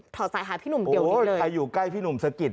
อดสายหาพี่หนุ่มเกี่ยวเยอะเลยใครอยู่ใกล้พี่หนุ่มสะกิด